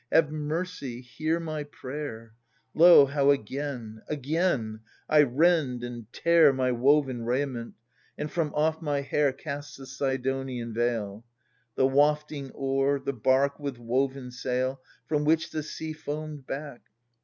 Have mercy, hear my prayer ! Lo, how again, again, I rend and tear My woven raiment, and from off my hair Cast the Sidonian veil ! \io The wafting oar, the bark with woven sail, From which the sea foamed back.